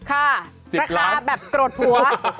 ราคาแบบโกรธผัว